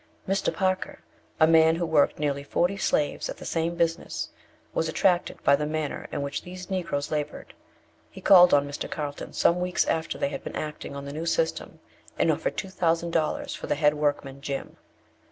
Mr. Parker, a man who worked nearly forty slaves at the same business, was attracted by the manner in which these Negroes laboured. He called on Mr. Carlton, some weeks after they had been acting on the new system, and offered 2,000 dollars for the head workman, Jim.